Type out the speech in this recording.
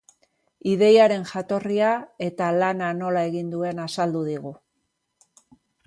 Ideiaren jatorria eta lana nola egin duen azaldu digu.